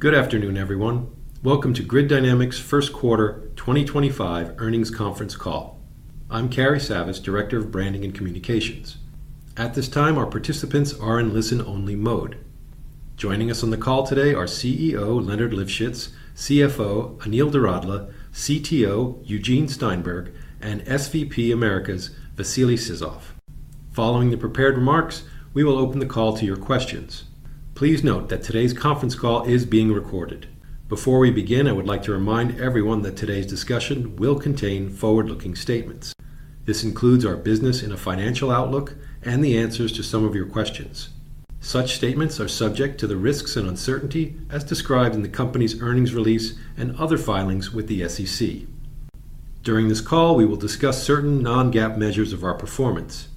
Good afternoon, everyone. Welcome to Grid Dynamics Q1 2025 Earnings Conference Call. I'm Cary Savas, Director of Branding and Communications. At this time, our participants are in listen-only mode. Joining us on the call today are CEO Leonard Livschitz, CFO Anil Doradla, CTO Eugene Steinberg, and SVP Americas Vasily Sizov. Following the prepared remarks, we will open the call to your questions. Please note that today's conference call is being recorded. Before we begin, I would like to remind everyone that today's discussion will contain forward-looking statements. This includes our business and financial outlook and the answers to some of your questions. Such statements are subject to the risks and uncertainty as described in the company's earnings release and other filings with the SEC. During this call, we will discuss certain non-GAAP measures of our performance.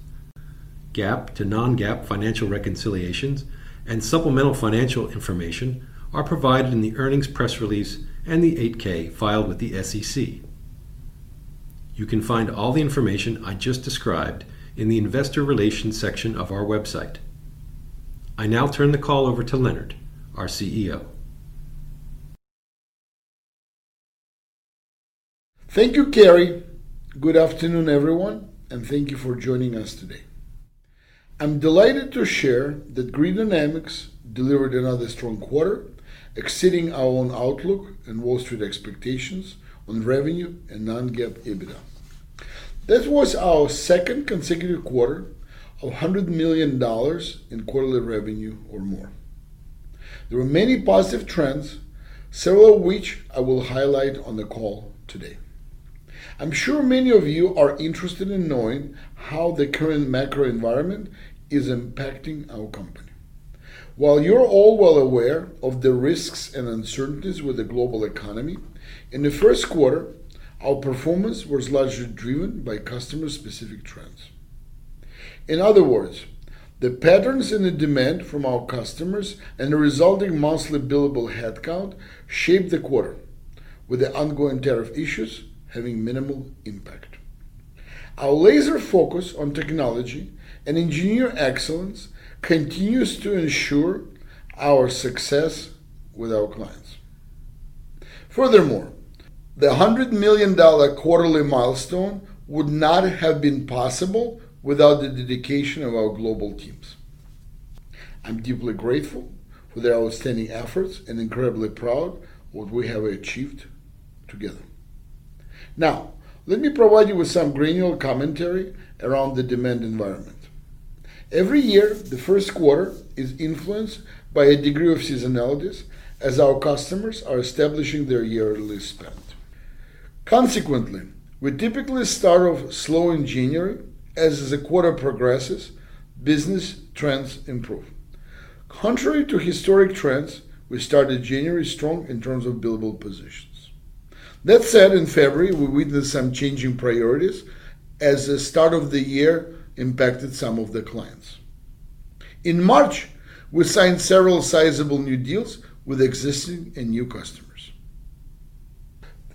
GAAP to non-GAAP financial reconciliations and supplemental financial information are provided in the earnings press release and the 8-K filed with the SEC. You can find all the information I just described in the investor relations section of our website. I now turn the call over to Leonard, our CEO. Thank you, Cary. Good afternoon, everyone, and thank you for joining us today. I'm delighted to share that Grid Dynamics delivered another strong quarter, exceeding our own outlook and Wall Street expectations on revenue and non-GAAP EBITDA. That was our second consecutive quarter of $100 million in quarterly revenue or more. There were many positive trends, several of which I will highlight on the call today. I'm sure many of you are interested in knowing how the current macro environment is impacting our company. While you're all well aware of the risks and uncertainties with the global economy, in the Q1, our performance was largely driven by customer-specific trends. In other words, the patterns in the demand from our customers and the resulting monthly billable headcount shaped the quarter, with the ongoing tariff issues having minimal impact. Our laser focus on technology and engineering excellence continues to ensure our success with our clients. Furthermore, the $100 million quarterly milestone would not have been possible without the dedication of our global teams. I'm deeply grateful for their outstanding efforts and incredibly proud of what we have achieved together. Now, let me provide you with some granular commentary around the demand environment. Every year, the Q1 is influenced by a degree of seasonalities as our customers are establishing their yearly spend. Consequently, we typically start off slow in January. As the quarter progresses, business trends improve. Contrary to historic trends, we started January strong in terms of billable positions. That said, in February, we witnessed some changing priorities as the start of the year impacted some of the clients. In March, we signed several sizable new deals with existing and new customers.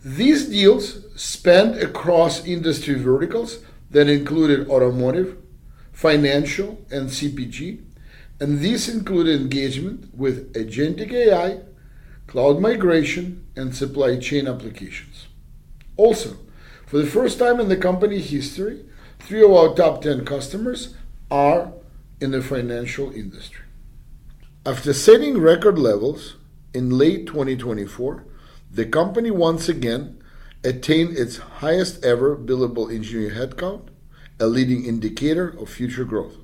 These deals spanned across industry verticals that included automotive, financial, and CPG, and these included engagement with agentic AI, cloud migration, and supply chain applications. Also, for the first time in the company history, three of our top 10 customers are in the financial industry. After setting record levels in late 2024, the company once again attained its highest-ever billable engineering headcount, a leading indicator of future growth.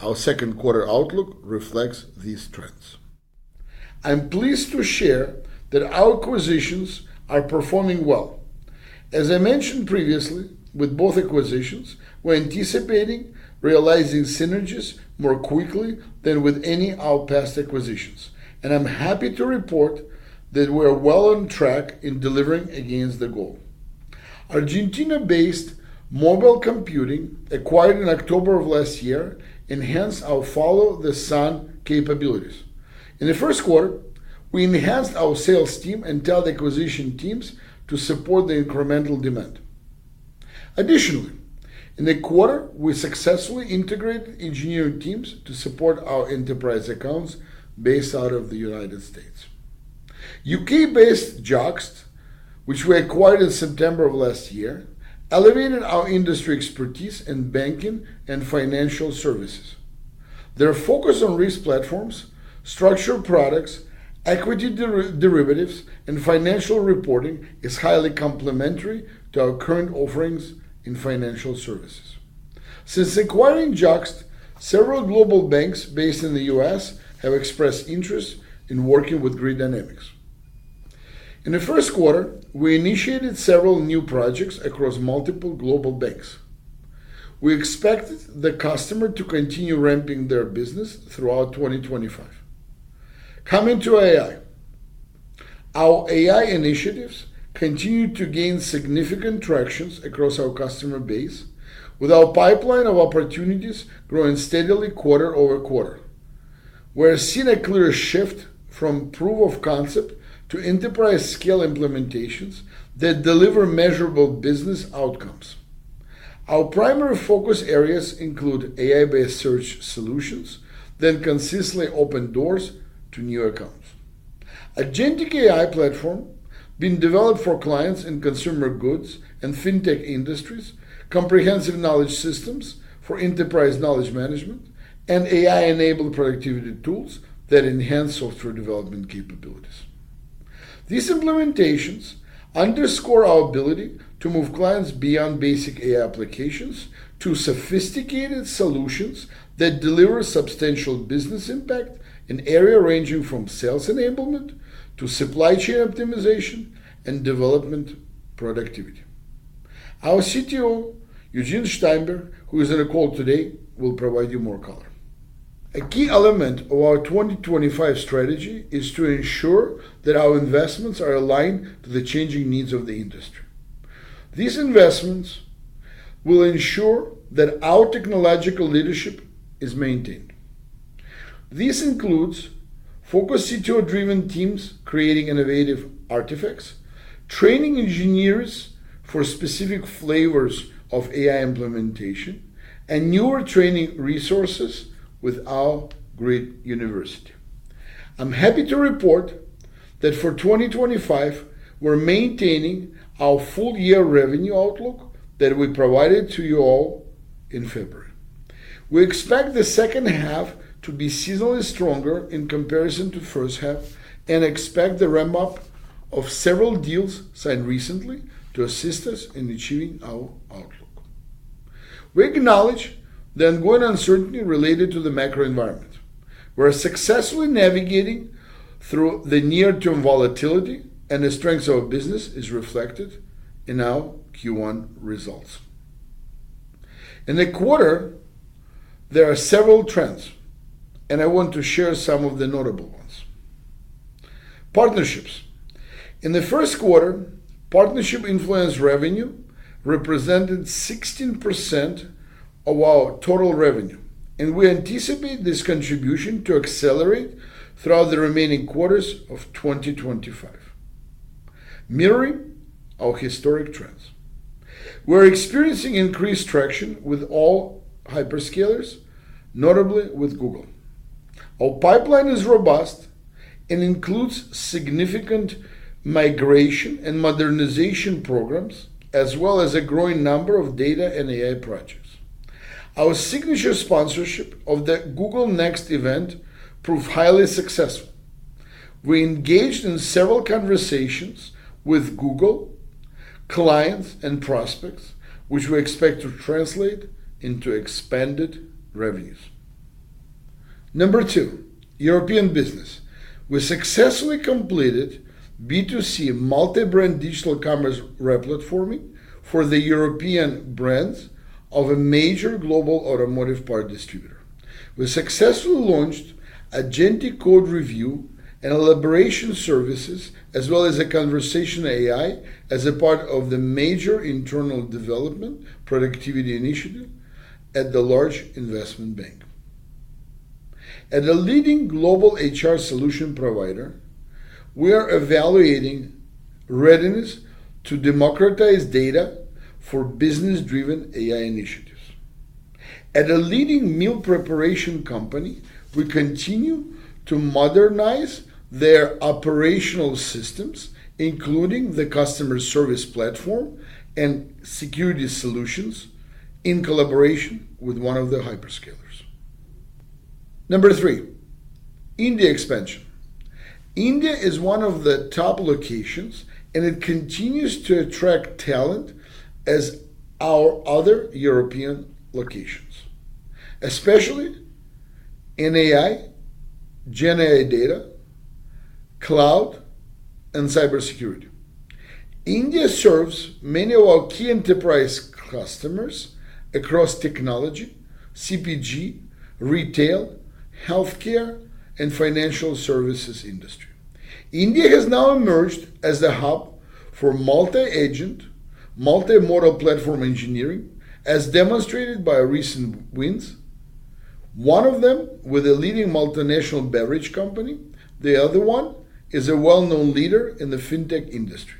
Our Q2 outlook reflects these trends. I'm pleased to share that our acquisitions are performing well. As I mentioned previously, with both acquisitions, we're anticipating realizing synergies more quickly than with any of our past acquisitions, and I'm happy to report that we're well on track in delivering against the goal. Argentina-based Mobile Computing, acquired in October of last year, enhanced our follow-the-sun capabilities. In the Q1, we enhanced our sales team and telecommunication teams to support the incremental demand. Additionally, in the quarter, we successfully integrated engineering teams to support our enterprise accounts based out of the United States. UK-based JUXT, which we acquired in September of last year, elevated our industry expertise in banking and financial services. Their focus on risk platforms, structured products, equity derivatives, and financial reporting is highly complementary to our current offerings in financial services. Since acquiring Joxt, several global banks based in the U.S. have expressed interest in working with Grid Dynamics. In the Q1, we initiated several new projects across multiple global banks. We expect the customer to continue ramping their business throughout 2025. Coming to AI, our AI initiatives continue to gain significant traction across our customer base, with our pipeline of opportunities growing steadily quarter-over-quarter. We're seeing a clear shift from proof of concept to enterprise-scale implementations that deliver measurable business outcomes. Our primary focus areas include AI-based search solutions that consistently open doors to new accounts, agentic AI platforms being developed for clients in consumer goods and fintech industries, comprehensive knowledge systems for enterprise knowledge management, and AI-enabled productivity tools that enhance software development capabilities. These implementations underscore our ability to move clients beyond basic AI applications to sophisticated solutions that deliver substantial business impact in areas ranging from sales enablement to supply chain optimization and development productivity. Our CTO, Eugene Steinberg, who is on the call today, will provide you more color. A key element of our 2025 strategy is to ensure that our investments are aligned to the changing needs of the industry. These investments will ensure that our technological leadership is maintained. This includes focused CTO-driven teams creating innovative artifacts, training engineers for specific flavors of AI implementation, and newer training resources with our Grid University. I'm happy to report that for 2025, we're maintaining our full-year revenue outlook that we provided to you all in February. We expect the second half to be seasonally stronger in comparison to the first half and expect the ramp-up of several deals signed recently to assist us in achieving our outlook. We acknowledge the ongoing uncertainty related to the macro environment. We're successfully navigating through the near-term volatility, and the strength of our business is reflected in our Q1 results. In the quarter, there are several trends, and I want to share some of the notable ones. Partnerships. In the Q1, partnership influence revenue represented 16% of our total revenue, and we anticipate this contribution to accelerate throughout the remaining quarters of 2025. Mirroring our historic trends, we're experiencing increased traction with all hyperscalers, notably with Google. Our pipeline is robust and includes significant migration and modernization programs, as well as a growing number of data and AI projects. Our signature sponsorship of the Google Next event proved highly successful. We engaged in several conversations with Google, clients, and prospects, which we expect to translate into expanded revenues. Number two, European business. We successfully completed B2C multi-brand digital commerce replatforming for the European brands of a major global automotive part distributor. We successfully launched agentic code review and elaboration services, as well as a conversational AI as a part of the major internal development productivity initiative at the large investment bank. At a leading global HR solution provider, we are evaluating readiness to democratize data for business-driven AI initiatives. At a leading meal preparation company, we continue to modernize their operational systems, including the customer service platform and security solutions in collaboration with one of the hyperscalers. Number three, India expansion. India is one of the top locations, and it continues to attract talent as our other European locations, especially in AI, Gen AI data, cloud, and cybersecurity. India serves many of our key enterprise customers across technology, CPG, retail, healthcare, and financial services industry. India has now emerged as the hub for multi-agent, multi-modal platform engineering, as demonstrated by recent wins. One of them with a leading multinational beverage company. The other one is a well-known leader in the fintech industry.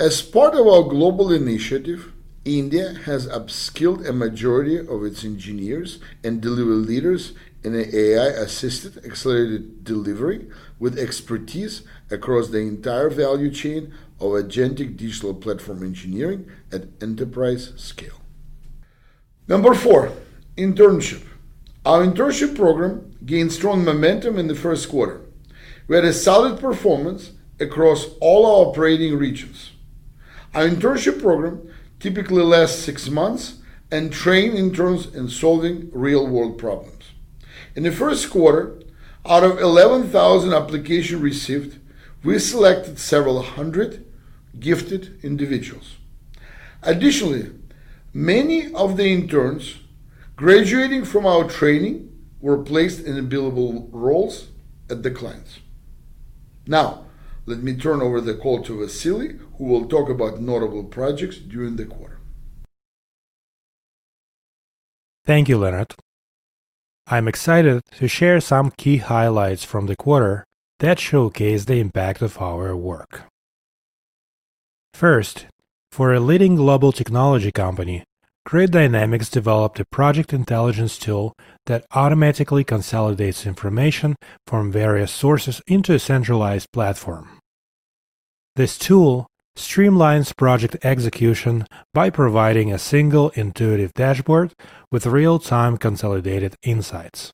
As part of our global initiative, India has upskilled a majority of its engineers and delivery leaders in AI-assisted accelerated delivery with expertise across the entire value chain of agentic digital platform engineering at enterprise scale. Number four, internship. Our internship program gained strong momentum in the Q1. We had a solid performance across all our operating regions. Our internship program typically lasts six months and trains interns in solving real-world problems. In the Q1, out of 11,000 applications received, we selected several hundred gifted individuals. Additionally, many of the interns graduating from our training were placed in billable roles at the clients. Now, let me turn over the call to Vasily, who will talk about notable projects during the quarter. Thank you, Leonard. I'm excited to share some key highlights from the quarter that showcase the impact of our work. First, for a leading global technology company, Grid Dynamics developed a project intelligence tool that automatically consolidates information from various sources into a centralized platform. This tool streamlines project execution by providing a single intuitive dashboard with real-time consolidated insights.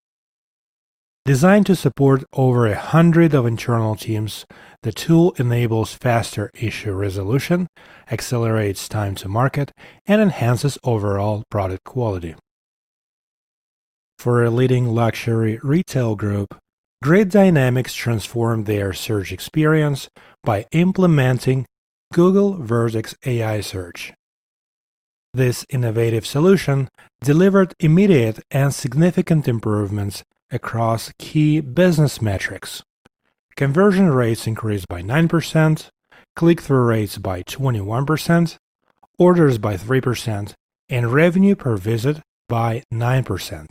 Designed to support over 100 internal teams, the tool enables faster issue resolution, accelerates time to market, and enhances overall product quality. For a leading luxury retail group, Grid Dynamics transformed their search experience by implementing Google Vertex AI Search. This innovative solution delivered immediate and significant improvements across key business metrics: conversion rates increased by 9%, click-through rates by 21%, orders by 3%, and revenue per visit by 9%.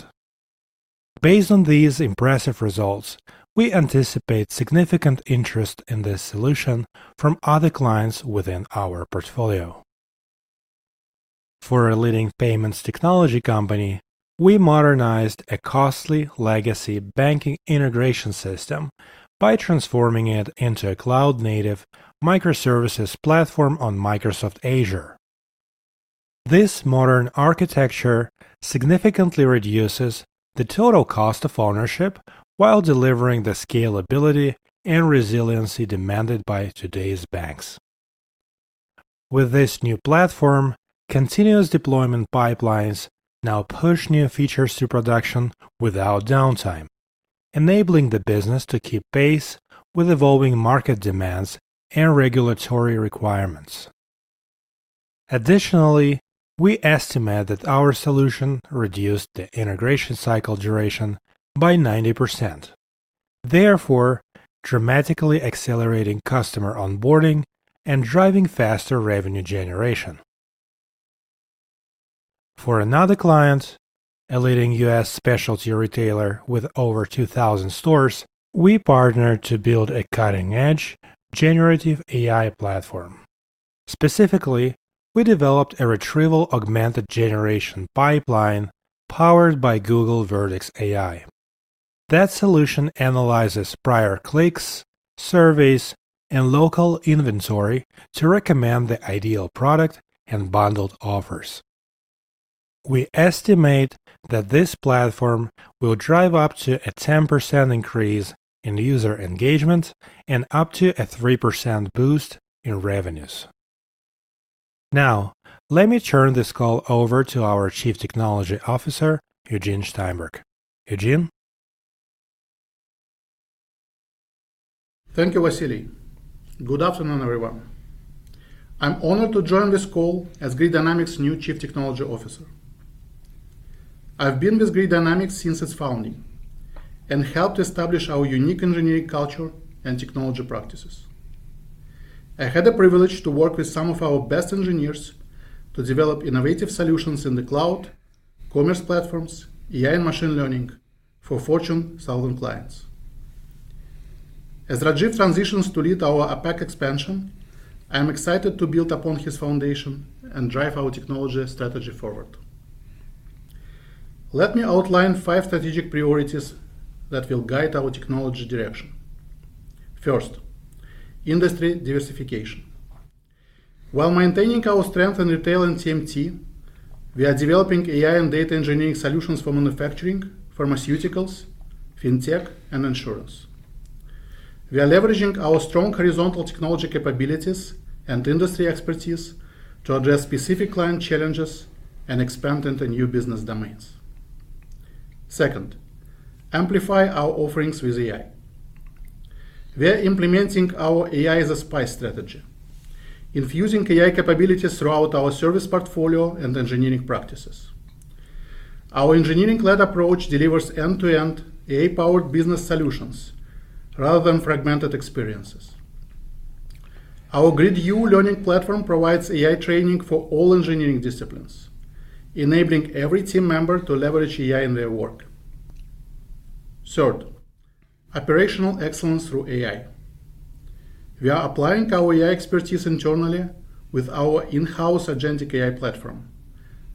Based on these impressive results, we anticipate significant interest in this solution from other clients within our portfolio. For a leading payments technology company, we modernized a costly legacy banking integration system by transforming it into a cloud-native microservices platform on Microsoft Azure. This modern architecture significantly reduces the total cost of ownership while delivering the scalability and resiliency demanded by today's banks. With this new platform, continuous deployment pipelines now push new features to production without downtime, enabling the business to keep pace with evolving market demands and regulatory requirements. Additionally, we estimate that our solution reduced the integration cycle duration by 90%, therefore dramatically accelerating customer onboarding and driving faster revenue generation. For another client, a leading US specialty retailer with over 2,000 stores, we partnered to build a cutting-edge generative AI platform. Specifically, we developed a retrieval augmented generation pipeline powered by Google Vertex AI. That solution analyzes prior clicks, surveys, and local inventory to recommend the ideal product and bundled offers. We estimate that this platform will drive up to a 10% increase in user engagement and up to a 3% boost in revenues. Now, let me turn this call over to our Chief Technology Officer, Eugene Steinberg. Eugene? Thank you, Vasily. Good afternoon, everyone. I'm honored to join this call as Grid Dynamics' new Chief Technology Officer. I've been with Grid Dynamics since its founding and helped establish our unique engineering culture and technology practices. I had the privilege to work with some of our best engineers to develop innovative solutions in the cloud, commerce platforms, AI, and machine learning for Fortune 1,000 clients. As Rajeev transitions to lead our APAC expansion, I'm excited to build upon his foundation and drive our technology strategy forward. Let me outline five strategic priorities that will guide our technology direction. First, industry diversification. While maintaining our strength in retail and TMT, we are developing AI and data engineering solutions for manufacturing, pharmaceuticals, fintech, and insurance. We are leveraging our strong horizontal technology capabilities and industry expertise to address specific client challenges and expand into new business domains. Second, amplify our offerings with AI. We are implementing our AI as a spice strategy, infusing AI capabilities throughout our service portfolio and engineering practices. Our engineering-led approach delivers end-to-end AI-powered business solutions rather than fragmented experiences. Our Grid U learning platform provides AI training for all engineering disciplines, enabling every team member to leverage AI in their work. Third, operational excellence through AI. We are applying our AI expertise internally with our in-house agentic AI platform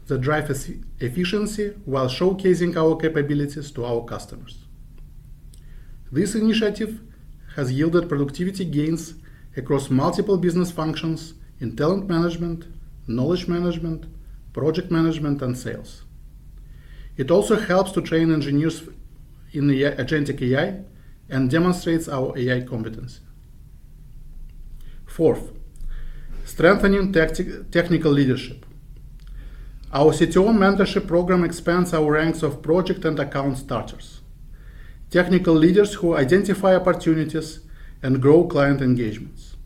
that drives efficiency while showcasing our capabilities to our customers. This initiative has yielded productivity gains across multiple business functions in talent management, knowledge management, project management, and sales. It also helps to train engineers in agentic AI and demonstrates our AI competency. Fourth, strengthening technical leadership. Our CTO mentorship program expands our ranks of project and account starters, technical leaders who identify opportunities and grow client engagements.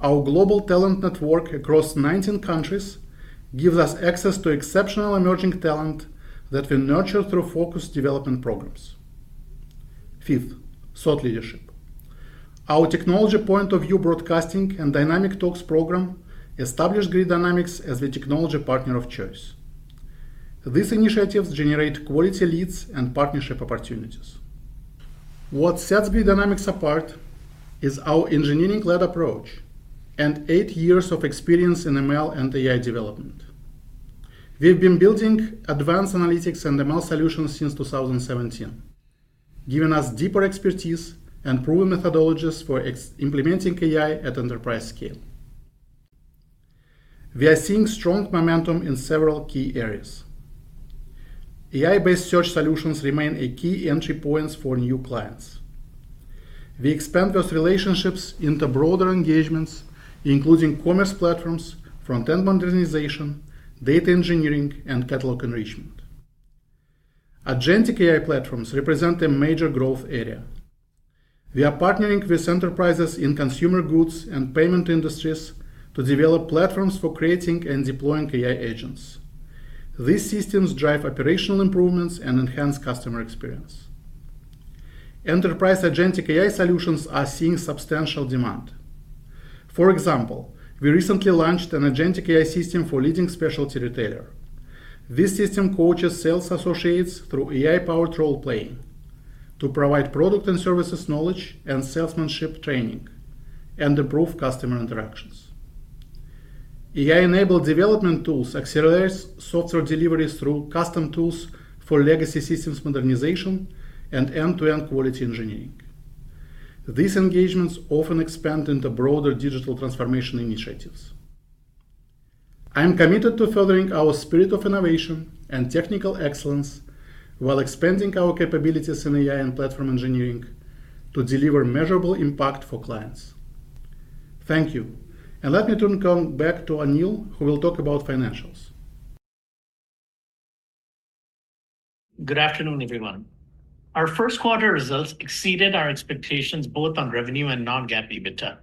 Our global talent network across 19 countries gives us access to exceptional emerging talent that we nurture through focused development programs. Fifth, thought leadership. Our technology point of view broadcasting and dynamic talks program established Grid Dynamics as the technology partner of choice. These initiatives generate quality leads and partnership opportunities. What sets Grid Dynamics apart is our engineering-led approach and eight years of experience in ML and AI development. We've been building advanced analytics and ML solutions since 2017, giving us deeper expertise and proven methodologies for implementing AI at enterprise scale. We are seeing strong momentum in several key areas. AI-based search solutions remain a key entry point for new clients. We expand those relationships into broader engagements, including commerce platforms, front-end modernization, data engineering, and catalog enrichment. Agentic AI platforms represent a major growth area. We are partnering with enterprises in consumer goods and payment industries to develop platforms for creating and deploying AI agents. These systems drive operational improvements and enhance customer experience. Enterprise Agentic AI solutions are seeing substantial demand. For example, we recently launched an agentic AI system for a leading specialty retailer. This system coaches sales associates through AI-powered role-playing to provide product and services knowledge and salesmanship training and improve customer interactions. AI-enabled development tools accelerate software deliveries through custom tools for legacy systems modernization and end-to-end quality engineering. These engagements often expand into broader digital transformation initiatives. I'm committed to furthering our spirit of innovation and technical excellence while expanding our capabilities in AI and platform engineering to deliver measurable impact for clients. Thank you, and let me turn back to Anil, who will talk about financials. Good afternoon, everyone. Our Q1 results exceeded our expectations both on revenue and non-GAAP EBITDA.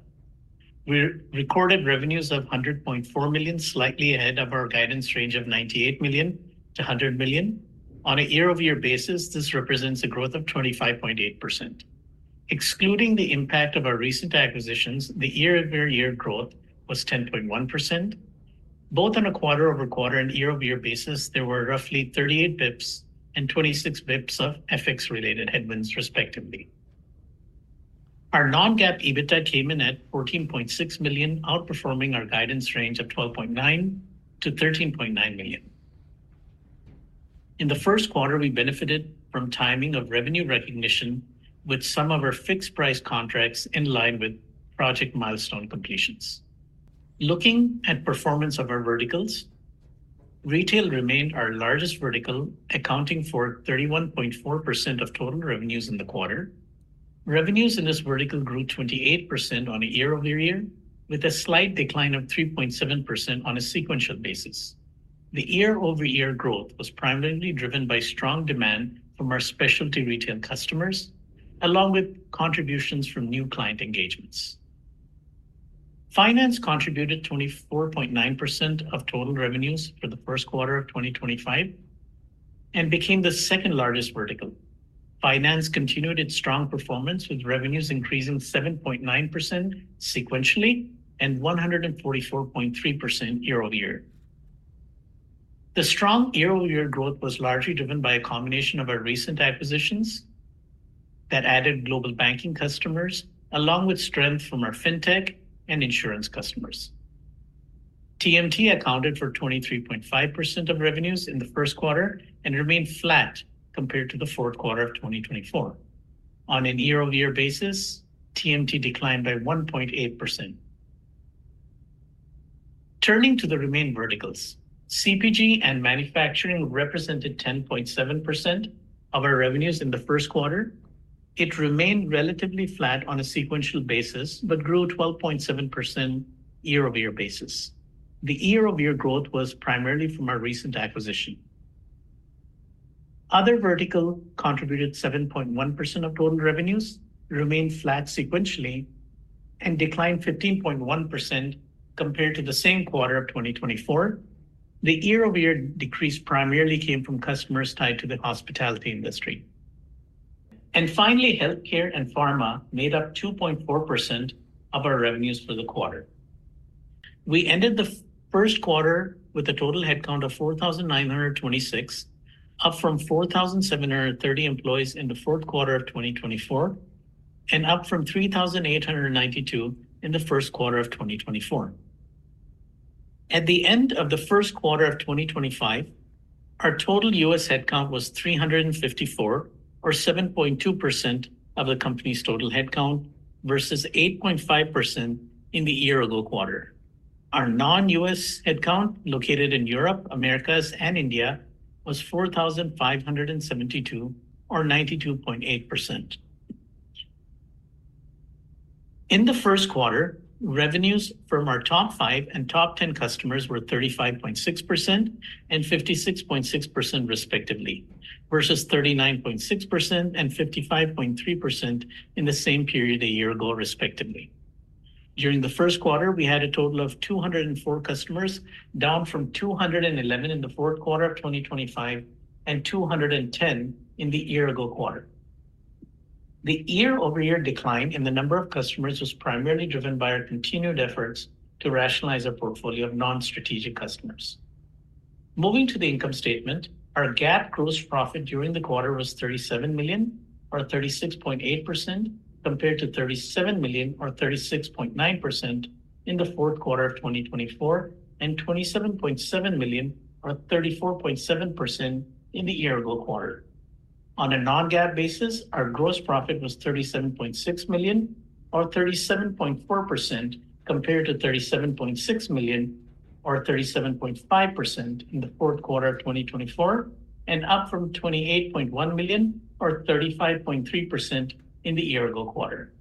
We recorded revenues of $100.4 million, slightly ahead of our guidance range of $98 million-$100 million. On a year-over-year basis, this represents a growth of 25.8%. Excluding the impact of our recent acquisitions, the year-over-year growth was 10.1%. Both on a quarter-over-quarter and year-over-year basis, there were roughly 38 basis points and 26 basis points of FX-related headwinds, respectively. Our non-GAAP EBITDA came in at $14.6 million, outperforming our guidance range of $12.9-$13.9 million. In the Q1, we benefited from timing of revenue recognition with some of our fixed-price contracts in line with project milestone completions. Looking at performance of our verticals, retail remained our largest vertical, accounting for 31.4% of total revenues in the quarter. Revenues in this vertical grew 28% on a year-over-year, with a slight decline of 3.7% on a sequential basis. The year-over-year growth was primarily driven by strong demand from our specialty retail customers, along with contributions from new client engagements. Finance contributed 24.9% of total revenues for the Q1 of 2025 and became the second-largest vertical. Finance continued its strong performance, with revenues increasing 7.9% sequentially and 144.3% year-over-year. The strong year-over-year growth was largely driven by a combination of our recent acquisitions that added global banking customers, along with strength from our fintech and insurance customers. TMT accounted for 23.5% of revenues in the Q1 and remained flat compared to the Q4 of 2024. On a year-over-year basis, TMT declined by 1.8%. Turning to the remaining verticals, CPG and manufacturing represented 10.7% of our revenues in the Q1. It remained relatively flat on a sequential basis, but grew 12.7% year-over-year basis. The year-over-year growth was primarily from our recent acquisition. Other verticals contributed 7.1% of total revenues, remained flat sequentially, and declined 15.1% compared to the same quarter of 2024. The year-over-year decrease primarily came from customers tied to the hospitality industry. Finally, healthcare and pharma made up 2.4% of our revenues for the quarter. We ended the Q1 with a total headcount of 4,926, up from 4,730 employees in the Q4 of 2024 and up from 3,892 in the Q1 of 2024. At the end of the Q1 of 2025, our total US headcount was 354, or 7.2% of the company's total headcount, versus 8.5% in the year-ago quarter. Our non-US headcount, located in Europe, Americas, and India, was 4,572, or 92.8%. In the Q1, revenues from our top five and top ten customers were 35.6% and 56.6%, respectively, versus 39.6% and 55.3% in the same period a year ago, respectively. During the Q1, we had a total of 204 customers, down from 211 in the Q4 of 2025 and 210 in the year-ago quarter. The year-over-year decline in the number of customers was primarily driven by our continued efforts to rationalize our portfolio of non-strategic customers. Moving to the income statement, our GAAP gross profit during the quarter was $37 million, or 36.8%, compared to $37 million, or 36.9% in the Q4 of 2024, and $27.7 million, or 34.7%, in the year-ago quarter. On a non-GAAP basis, our gross profit was $37.6 million, or 37.4%, compared to $37.6 million, or 37.5%, in the Q4 of 2024, and up from $28.1 million, or 35.3%, in the year-ago quarter.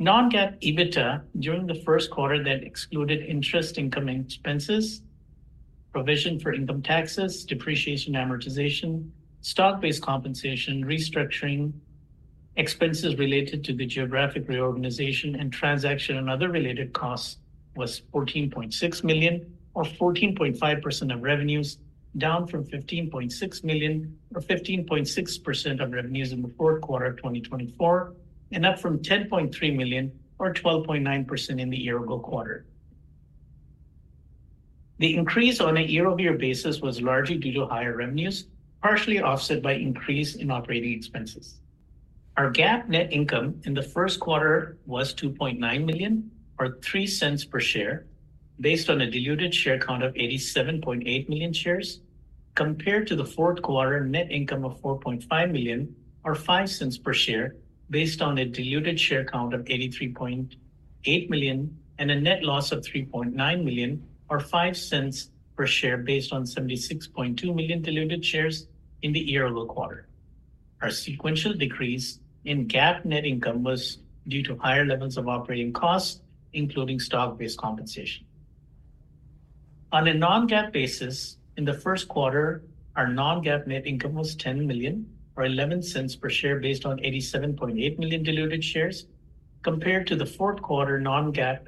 Non-GAAP EBITDA during the Q1, then excluded interest, income, and expenses, provision for income taxes, depreciation amortization, stock-based compensation, restructuring expenses related to the geographic reorganization and transaction and other related costs, was $14.6 million, or 14.5% of revenues, down from $15.6 million, or 15.6% of revenues in the Q4 of 2024, and up from $10.3 million, or 12.9%, in the year-ago quarter. The increase on a year-over-year basis was largely due to higher revenues, partially offset by increase in operating expenses. Our GAAP net income in the Q1 was $2.9 million, or $0.03 per share, based on a diluted share count of 87.8 million shares, compared to the Q4 net income of $4.5 million, or $0.05 per share, based on a diluted share count of 83.8 million and a net loss of $3.9 million, or $0.05 per share, based on 76.2 million diluted shares in the year-ago quarter. Our sequential decrease in GAAP net income was due to higher levels of operating costs, including stock-based compensation. On a non-GAAP basis, in the Q1, our non-GAAP net income was $10 million, or $0.11 per share, based on 87.8 million diluted shares, compared to the Q4 non-GAAP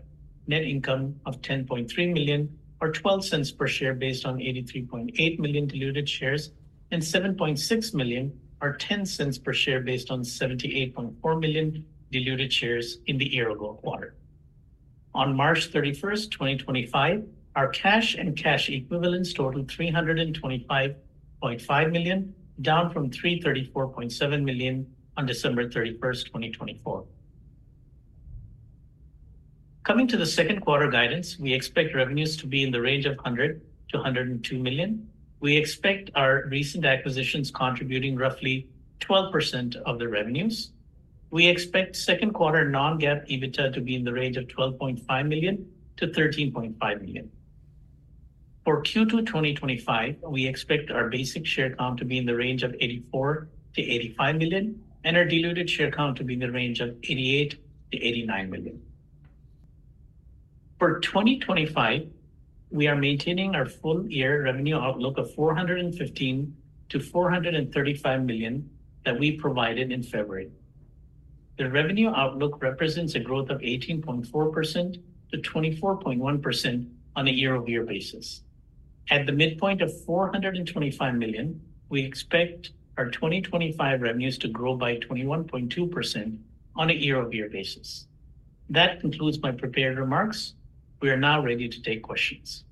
net income of $10.3 million, or $0.12 per share, based on $83.8 million diluted shares, and $7.6 million, or $0.10 per share, based on 78.4 million diluted shares in the year-ago quarter. On March 31, 2025, our cash and cash equivalents totaled $325.5 million, down from $334.7 million on December 31, 2024. Coming to the Q2 guidance, we expect revenues to be in the range of $100 million-$102 million. We expect our recent acquisitions contributing roughly 12% of the revenues. We expect Q2 non-GAAP EBITDA to be in the range of $12.5 million-$13.5 million. For Q2 2025, we expect our basic share count to be in the range of $84 million-$85 million and our diluted share count to be in the range of $88 million-$89 million. For 2025, we are maintaining our full year revenue outlook of $415 million-$435 million that we provided in February. The revenue outlook represents a growth of 18.4%-24.1% on a year-over-year basis. At the midpoint of $425 million, we expect our 2025 revenues to grow by 21.2% on a year-over-year basis. That concludes my prepared remarks. We are now ready to take questions.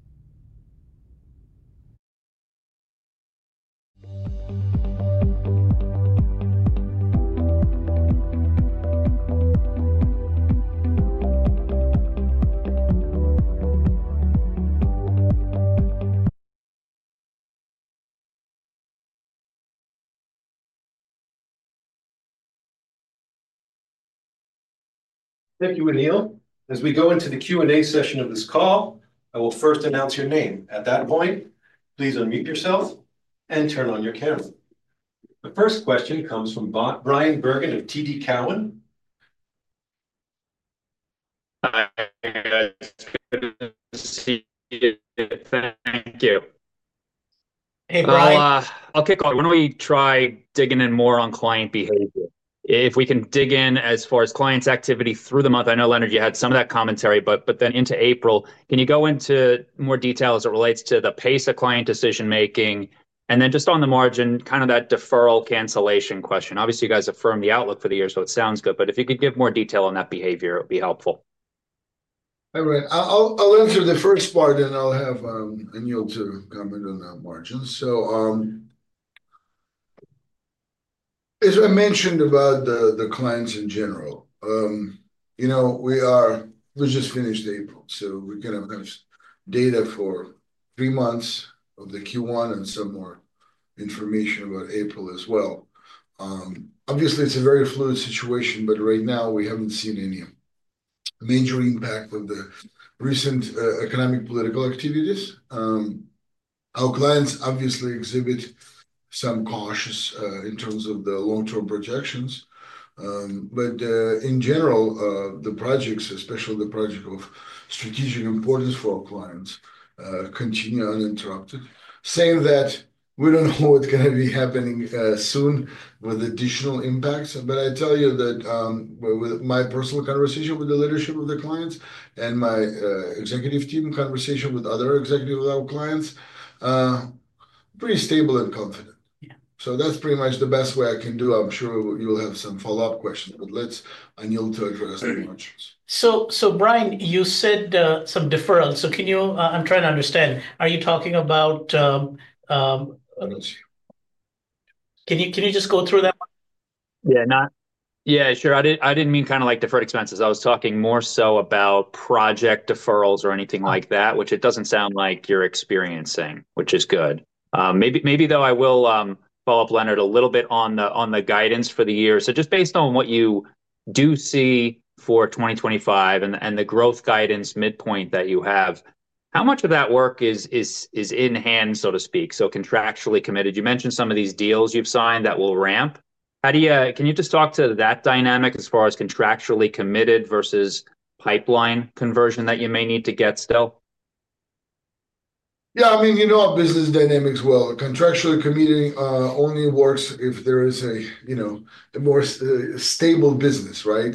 Thank you, Anil. As we go into the Q&A session of this call, I will first announce your name. At that point, please unmute yourself and turn on your camera. The first question comes from Bryan Bergin of TD Cowen. Hi, guys. Good to see you. Thank you. Hey, Bryan. I'll kick off. Why don't we try digging in more on client behavior? If we can dig in as far as client's activity through the month, I know, Leonard, you had some of that commentary, but then into April, can you go into more detail as it relates to the pace of client decision-making? Just on the margin, kind of that deferral cancellation question. Obviously, you guys affirm the outlook for the year, so it sounds good, but if you could give more detail on that behavior, it would be helpful. All right. I'll answer the first part, and I'll have Anil comment on that margin. As I mentioned about the clients in general, we just finished April, so we're going to have data for three months of the Q1 and some more information about April as well. Obviously, it's a very fluid situation, but right now, we haven't seen any major impact of the recent economic political activities. Our clients obviously exhibit some cautiousness in terms of the long-term projections, but in general, the projects, especially the project of strategic importance for our clients, continue uninterrupted. Saying that, we don't know what's going to be happening soon with additional impacts, but I tell you that with my personal conversation with the leadership of the clients and my executive team conversation with other executives of our clients, pretty stable and confident. That's pretty much the best way I can do. I'm sure you'll have some follow-up questions, but let's Anil address the questions. Bryan, you said some deferral. Can you—I'm trying to understand. Are you talking about— Let's see. Can you just go through that? Yeah, yeah, sure. I didn't mean kind of like deferred expenses. I was talking more so about project deferrals or anything like that, which it doesn't sound like you're experiencing, which is good. Maybe, though, I will follow up, Leonard, a little bit on the guidance for the year. Just based on what you do see for 2025 and the growth guidance midpoint that you have, how much of that work is in hand, so to speak, so contractually committed? You mentioned some of these deals you've signed that will ramp. Can you just talk to that dynamic as far as contractually committed versus pipeline conversion that you may need to get still? Yeah. I mean, you know our business dynamics well. Contractually committing only works if there is a more stable business, right?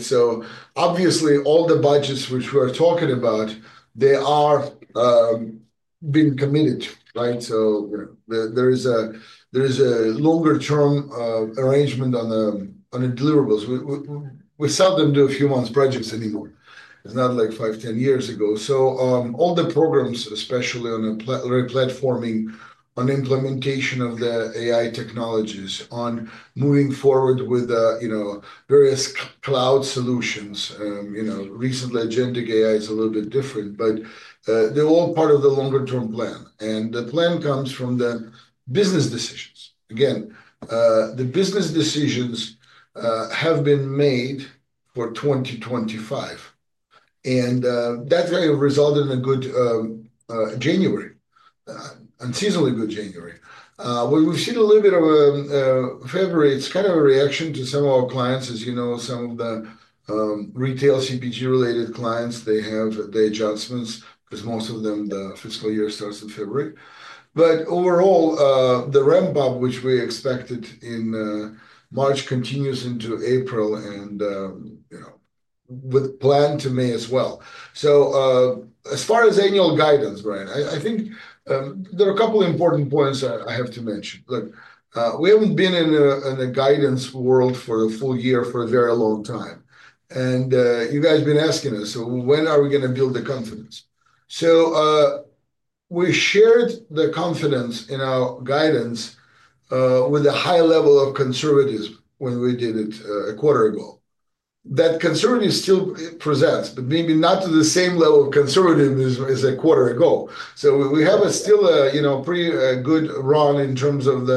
Obviously, all the budgets which we are talking about, they are being committed, right? There is a longer-term arrangement on the deliverables. We seldom do a few months' projects anymore. It's not like 5, 10 years ago. All the programs, especially on platforming, on implementation of the AI technologies, on moving forward with various cloud solutions. Recently, agentic AI is a little bit different, but they're all part of the longer-term plan. The plan comes from the business decisions. Again, the business decisions have been made for 2025, and that resulted in a good January, unseasonably good January. We've seen a little bit of February. It's kind of a reaction to some of our clients, as you know, some of the retail CPG-related clients. They have the adjustments because most of them, the fiscal year starts in February. Overall, the ramp-up, which we expected in March, continues into April and with plan to May as well. As far as annual guidance, Bryan, I think there are a couple of important points I have to mention. Look, we haven't been in a guidance world for the full year for a very long time. You guys have been asking us, so when are we going to build the confidence? We shared the confidence in our guidance with a high level of conservatism when we did it a quarter ago. That conservatism still presents, but maybe not to the same level of conservatism as a quarter ago. We have still a pretty good run in terms of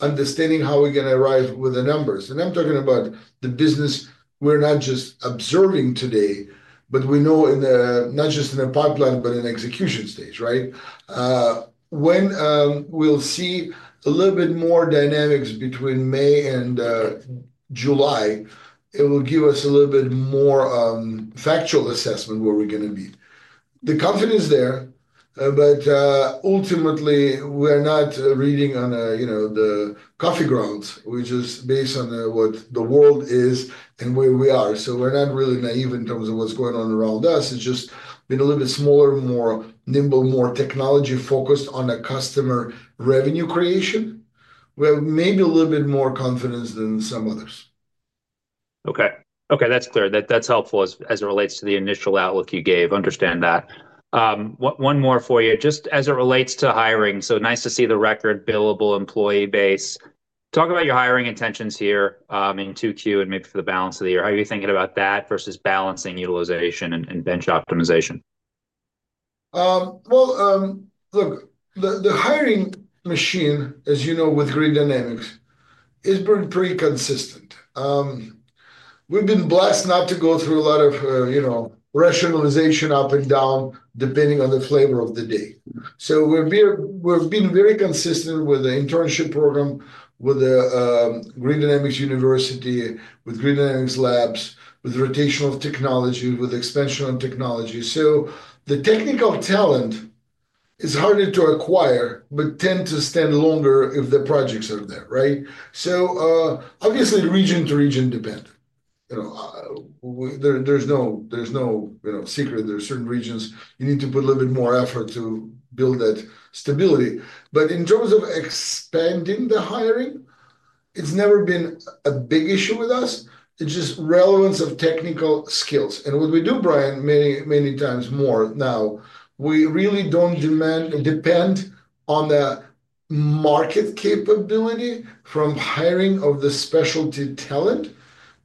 understanding how we're going to arrive with the numbers. I'm talking about the business we're not just observing today, but we know not just in the pipeline, but in execution stage, right? When we see a little bit more dynamics between May and July, it will give us a little bit more factual assessment of where we're going to be. The confidence is there, but ultimately, we're not reading on the coffee grounds, which is based on what the world is and where we are. We're not really naive in terms of what's going on around us. It's just been a little bit smaller, more nimble, more technology-focused on customer revenue creation. We have maybe a little bit more confidence than some others. Okay. Okay. That's clear. That's helpful as it relates to the initial outlook you gave. Understand that. One more for you. Just as it relates to hiring, so nice to see the record, billable employee base. Talk about your hiring intentions here in Q2 and maybe for the balance of the year. How are you thinking about that versus balancing utilization and bench optimization? Look, the hiring machine, as you know, with Grid Dynamics, has been pretty consistent. We've been blessed not to go through a lot of rationalization up and down, depending on the flavor of the day. We've been very consistent with the internship program, with Grid Dynamics University, with Grid Dynamics Labs, with rotational technology, with expansion technology. The technical talent is harder to acquire, but tend to stand longer if the projects are there, right? Obviously, region to region depend. There's no secret. There are certain regions you need to put a little bit more effort to build that stability. In terms of expanding the hiring, it's never been a big issue with us. It's just relevance of technical skills. What we do, Bryan, many times more now, we really do not depend on the market capability from hiring of the specialty talent,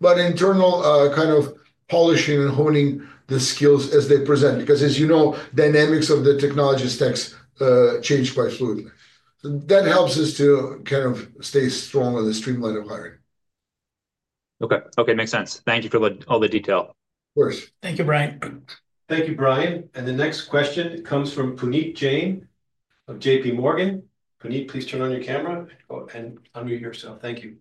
but internal kind of polishing and honing the skills as they present. Because as you know, dynamics of the technology stacks change quite fluidly. That helps us to kind of stay strong on the streamline of hiring. Okay. Okay. Makes sense. Thank you for all the detail. Of course. Thank you, Bryan. Thank you, Bryan. The next question comes from Puneet Jain of JPMorgan. Puneet, please turn on your camera and unmute yourself. Thank you.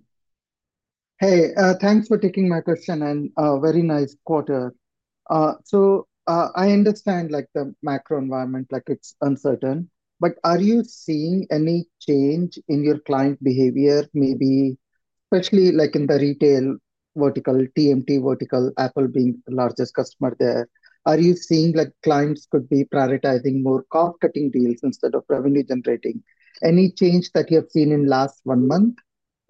Hey, thanks for taking my question and very nice quarter. I understand the macro environment, it's uncertain, but are you seeing any change in your client behavior, maybe especially in the retail vertical, TMT vertical, Apple being the largest customer there? Are you seeing clients could be prioritizing more cost-cutting deals instead of revenue-generating? Any change that you have seen in the last one month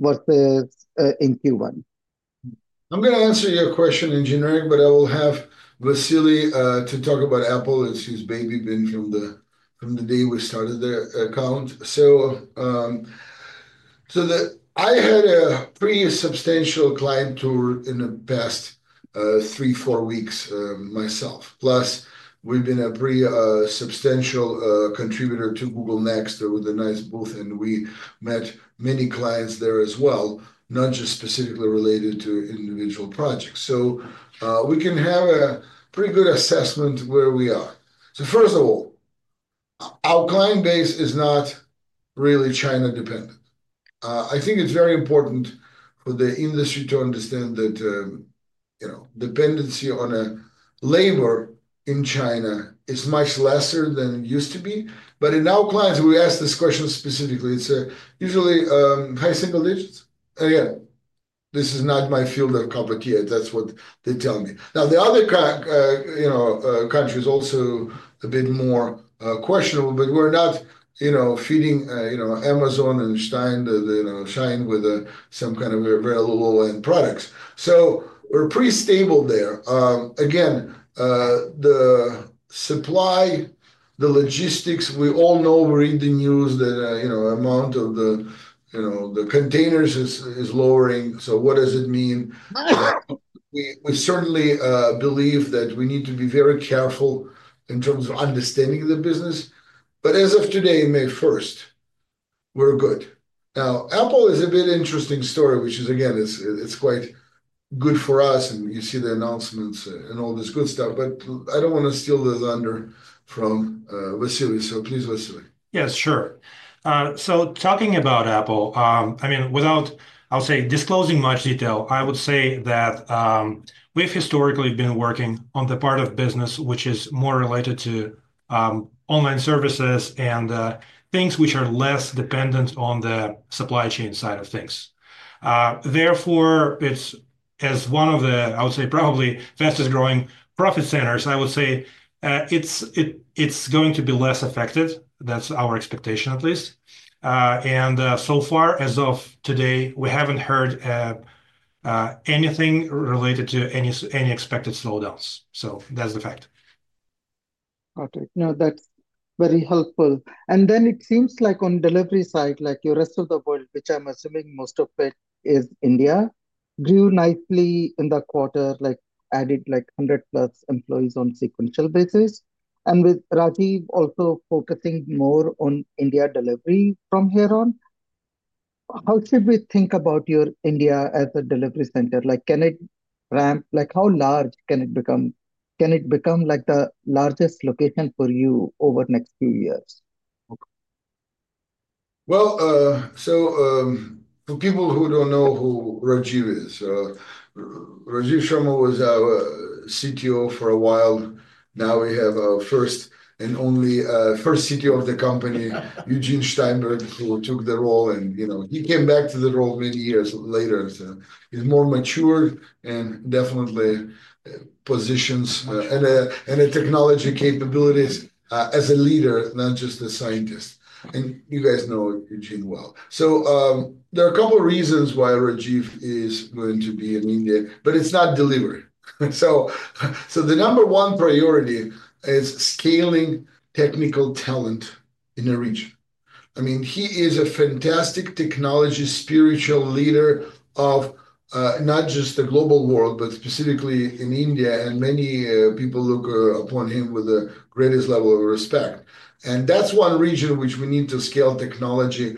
versus in Q1? I'm going to answer your question in generic, but I will have Vasily to talk about Apple as his baby, been from the day we started the account. I had a pretty substantial client tour in the past three, four weeks myself. Plus, we've been a pretty substantial contributor to Google Next. There was a nice booth, and we met many clients there as well, not just specifically related to individual projects. We can have a pretty good assessment of where we are. First of all, our client base is not really China-dependent. I think it's very important for the industry to understand that dependency on labor in China is much lesser than it used to be. In our clients, we ask this question specifically. It's usually high single digits. Again, this is not my field of competition. That's what they tell me. Now, the other countries are also a bit more questionable, but we're not feeding Amazon and Stein to Shein with some kind of very low-end products. So we're pretty stable there. Again, the supply, the logistics, we all know we read the news that the amount of the containers is lowering. What does it mean? We certainly believe that we need to be very careful in terms of understanding the business. As of today, May 1, we're good. Now, Apple is a bit interesting story, which is, again, it's quite good for us, and you see the announcements and all this good stuff. I don't want to steal the thunder from Vasily. Please, Vasily. Yeah, sure. Talking about Apple, I mean, without disclosing much detail, I would say that we've historically been working on the part of business which is more related to online services and things which are less dependent on the supply chain side of things. Therefore, as one of the, I would say, probably fastest-growing profit centers, I would say it's going to be less affected. That's our expectation, at least. So far, as of today, we haven't heard anything related to any expected slowdowns. That's the fact. Got it. No, that's very helpful. It seems like on delivery side, like your rest of the world, which I'm assuming most of it is India, grew nicely in the quarter, added like 100-plus employees on a sequential basis. With Rajeev also focusing more on India delivery from here on, how should we think about your India as a delivery center? Can it ramp? How large can it become? Can it become the largest location for you over the next few years? For people who don't know who Rajeev is, Rajeev Sharma was our CTO for a while. Now we have our first and only first CTO of the company, Eugene Steinberg, who took the role, and he came back to the role many years later. He is more matured and definitely positions and technology capabilities as a leader, not just a scientist. You guys know Eugene well. There are a couple of reasons why Rajeev is going to be in India, but it's not delivery. The number one priority is scaling technical talent in a region. I mean, he is a fantastic technology spiritual leader of not just the global world, but specifically in India, and many people look upon him with the greatest level of respect. That's one region which we need to scale technology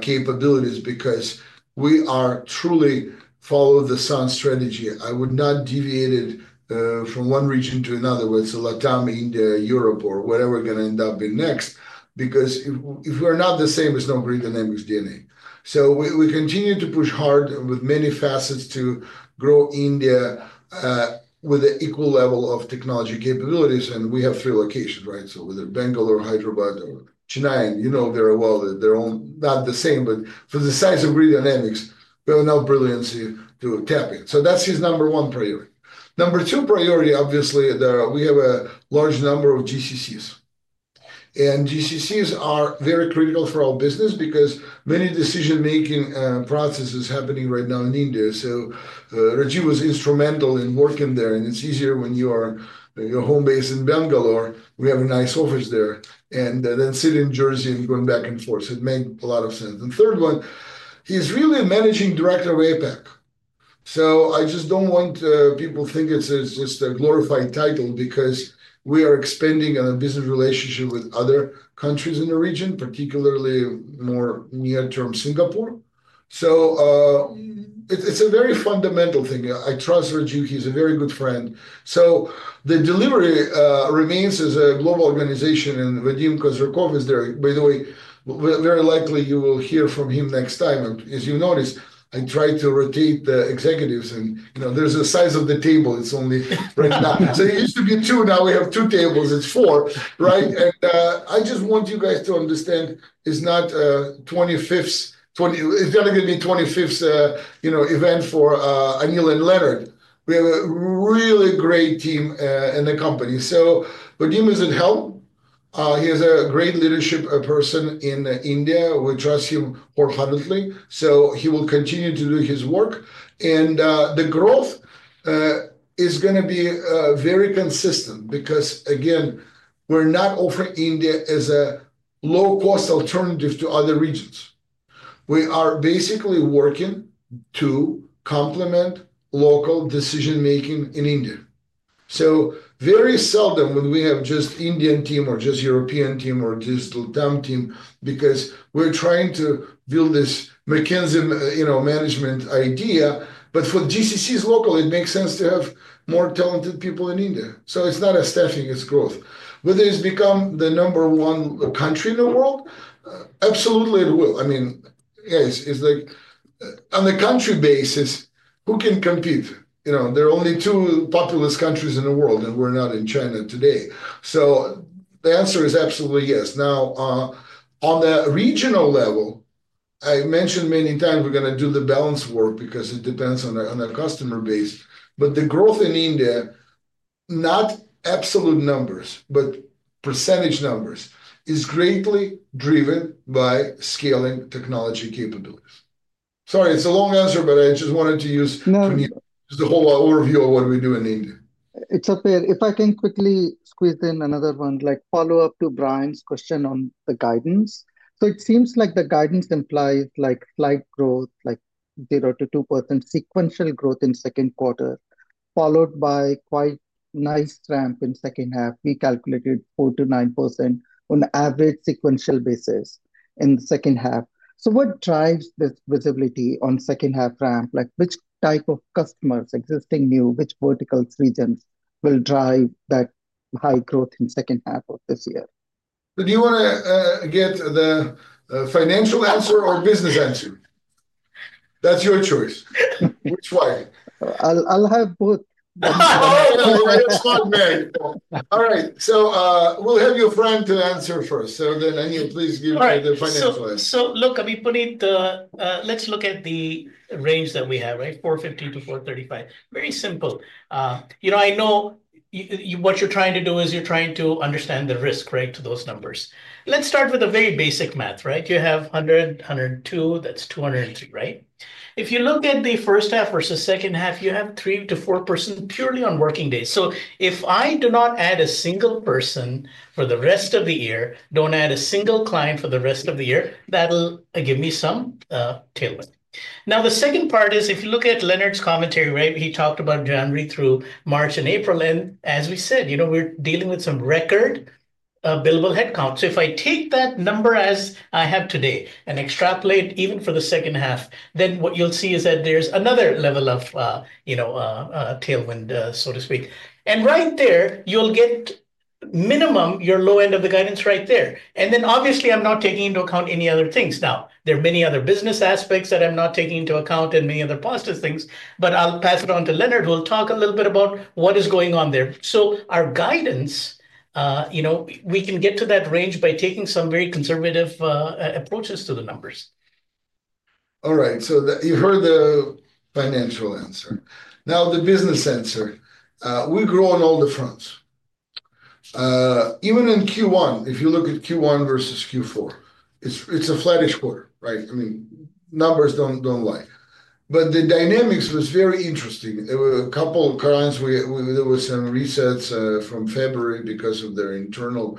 capabilities because we are truly following-the-sun strategy. I would not deviate it from one region to another, whether it's Latam, India, Europe, or whatever we're going to end up in next, because if we're not the same, it's no Grid Dynamics DNA. We continue to push hard with many facets to grow India with an equal level of technology capabilities. We have three locations, right? Whether Bangalore or Hyderabad or Chennai, you know very well that they're not the same, but for the size of Grid Dynamics, we have enough brilliancy to tap it. That's his number one priority. Number two priority, obviously, we have a large number of GCCs. GCCs are very critical for our business because many decision-making processes are happening right now in India. Rajeev was instrumental in working there, and it's easier when you're home-based in Bangalore. We have a nice office there. Sitting in Jersey and going back and forth, it made a lot of sense. Third one, he's really a Managing Director of APAC. I just don't want people to think it's just a glorified title because we are expanding on a business relationship with other countries in the region, particularly more near-term Singapore. It's a very fundamental thing. I trust Rajeev. He's a very good friend. The delivery remains as a global organization, and Vadim Kozyrkov is there. By the way, very likely you will hear from him next time. As you noticed, I tried to rotate the executives, and there's the size of the table. It's only right now. It used to be two. Now we have two tables. It's four, right? I just want you guys to understand it's not 25th. It's not going to be 25th event for Anil and Leonard. We have a really great team in the company. Vadim is at help. He is a great leadership person in India. We trust him wholeheartedly. He will continue to do his work. The growth is going to be very consistent because, again, we're not offering India as a low-cost alternative to other regions. We are basically working to complement local decision-making in India. Very seldom would we have just an Indian team or just a European team or just a Latam team because we're trying to build this McKinsey management idea. For GCCs local, it makes sense to have more talented people in India. It's not a staging of growth. Whether it's become the number one country in the world, absolutely it will. I mean, yes, it's like on a country basis, who can compete? There are only two populous countries in the world, and we're not in China today. The answer is absolutely yes. Now, on the regional level, I mentioned many times we're going to do the balance work because it depends on our customer base. The growth in India, not absolute numbers, but percentage numbers, is greatly driven by scaling technology capabilities. Sorry, it's a long answer, but I just wanted to use the whole overview of what we do in India. It's okay. If I can quickly squeeze in another one, like follow-up to Bryan's question on the guidance. It seems like the guidance implies flat growth, like 0-2% sequential growth in the Q2, followed by quite a nice ramp in the second half. We calculated 4%-9% on an average sequential basis in the second half. What drives this visibility on the second-half ramp? Which type of customers, existing, new, which vertical regions will drive that high growth in the second half of this year? Do you want to get the financial answer or business answer? That is your choice. Which one? I'll have both. All right. We'll have your friend answer first. Anil, please give the financial answer. Look, let's look at the range that we have, right? $450 million-$435 million. Very simple. I know what you're trying to do is you're trying to understand the risk, right, to those numbers. Let's start with a very basic math, right? You have 100, 102, that's 203, right? If you look at the first half versus the second half, you have 3%-4% purely on working days. If I do not add a single person for the rest of the year, don't add a single client for the rest of the year, that'll give me some tailoring. The second part is if you look at Leonard's commentary, right, he talked about January through March and April. As we said, we're dealing with some record billable headcount. If I take that number as I have today and extrapolate even for the second half, what you'll see is that there's another level of tailwind, so to speak. Right there, you'll get minimum your low end of the guidance right there. Obviously, I'm not taking into account any other things. There are many other business aspects that I'm not taking into account and many other positive things, but I'll pass it on to Leonard, who will talk a little bit about what is going on there. Our guidance, we can get to that range by taking some very conservative approaches to the numbers. All right. You heard the financial answer. Now, the business answer. We've grown on all the fronts. Even in Q1, if you look at Q1 versus Q4, it's a flattish quarter, right? I mean, numbers don't lie. The dynamics was very interesting. A couple of clients, there were some resets from February because of their internal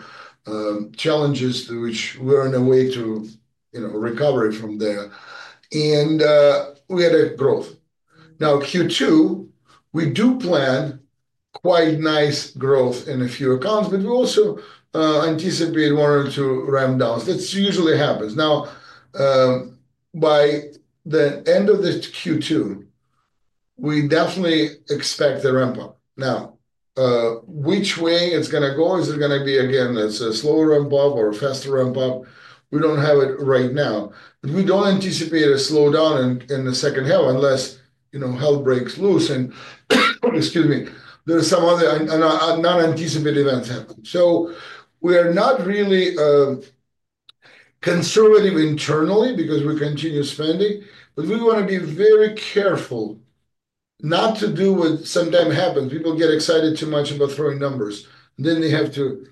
challenges, which we're on our way to recover from there. We had a growth. Now, Q2, we do plan quite nice growth in a few accounts, but we also anticipate one or two ramp-downs. That usually happens. By the end of this Q2, we definitely expect a ramp-up. Now, which way it's going to go? Is it going to be, again, a slower ramp-up or a faster ramp-up? We don't have it right now. We don't anticipate a slowdown in the second half unless hell breaks loose. Excuse me, there are some other non-anticipated events happening. We are not really conservative internally because we continue spending, but we want to be very careful not to do what sometimes happens. People get excited too much about throwing numbers. They have to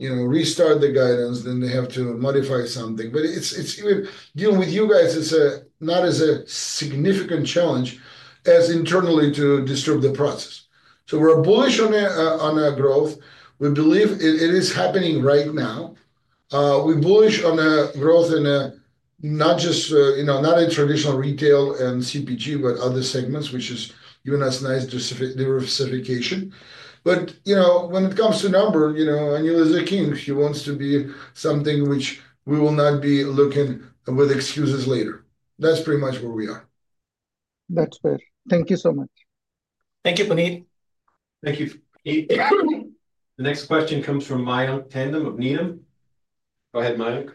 restart the guidance. They have to modify something. Dealing with you guys is not as a significant challenge as internally to disturb the process. We are bullish on our growth. We believe it is happening right now. We are bullish on our growth in not just traditional retail and CPG, but other segments, which is giving us nice diversification. When it comes to number, Anil is a king. He wants to be something which we will not be looking with excuses later. That is pretty much where we are. That's good. Thank you so much. Thank you, Puneet. Thank you. The next question comes from Mayank Tandon of Needham. Go ahead, Mayank.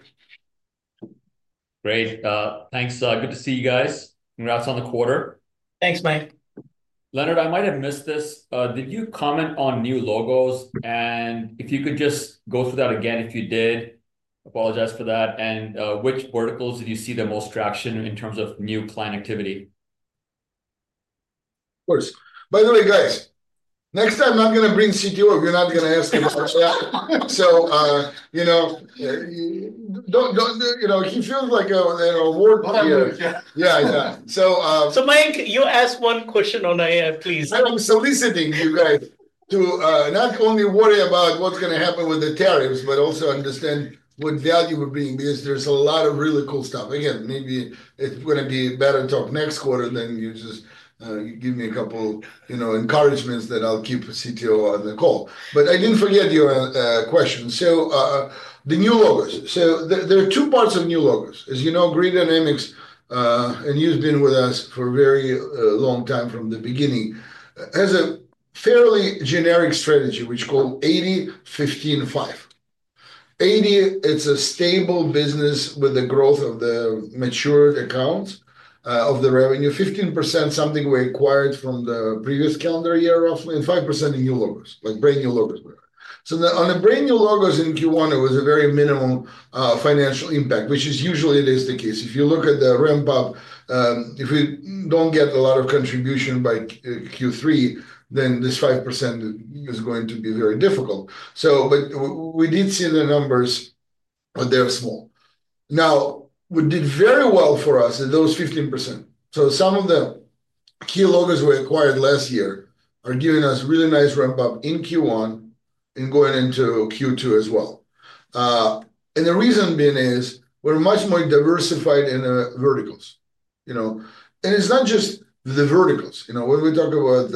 Great. Thanks. Good to see you guys. Congrats on the quarter. Thanks, Mayank. Leonard, I might have missed this. Did you comment on new logos? If you could just go through that again, if you did, apologize for that. Which verticals did you see the most traction in terms of new client activity? Of course. By the way, guys, next time, I'm not going to bring CTO. You're not going to ask him. So he feels like an award here. Yeah, yeah. Mayank, you ask one question on AI, please. I'm soliciting you guys to not only worry about what's going to happen with the tariffs, but also understand what value we're bringing because there's a lot of really cool stuff. Again, maybe it's going to be better to talk next quarter than you just give me a couple of encouragements that I'll keep CTO on the call. I didn't forget your question. The new logos. There are two parts of new logos. As you know, Grid Dynamics, and you've been with us for a very long time from the beginning, has a fairly generic strategy, which is called 80-15-5. 80, it's a stable business with the growth of the mature accounts of the revenue. 15%, something we acquired from the previous calendar year, roughly, and 5% in new logos, like brand new logos. On the brand new logos in Q1, it was a very minimal financial impact, which usually it is the case. If you look at the ramp-up, if we do not get a lot of contribution by Q3, then this 5% is going to be very difficult. We did see the numbers, but they are small. What did very well for us is those 15%. Some of the key logos we acquired last year are giving us really nice ramp-up in Q1 and going into Q2 as well. The reason being is we are much more diversified in verticals. It is not just the verticals. When we talk about